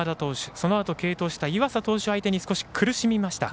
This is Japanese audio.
そのあと継投した岩佐投手相手に少し苦しみました。